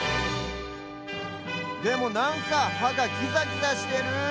でもなんかはがキザギザしてる。